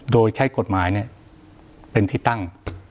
โดยใช้กฎหมายเป็นที่ตั้ง